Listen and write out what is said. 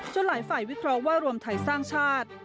หลายฝ่ายวิเคราะห์ว่ารวมไทยสร้างชาติ